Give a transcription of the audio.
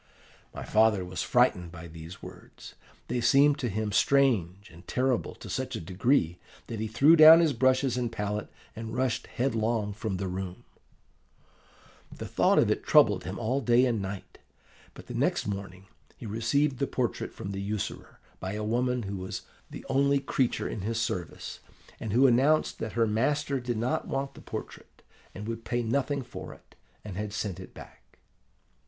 "My father was frightened by these words: they seemed to him strange and terrible to such a degree, that he threw down his brushes and palette and rushed headlong from the room. "The thought of it troubled him all day and all night; but the next morning he received the portrait from the usurer, by a woman who was the only creature in his service, and who announced that her master did not want the portrait, and would pay nothing for it, and had sent it back.